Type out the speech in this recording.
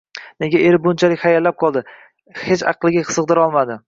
Nega eri bunchalik hayallab qoldi, hech aqliga sig`dirolmadi